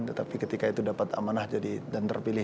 tetapi ketika itu dapat amanah dan terpilih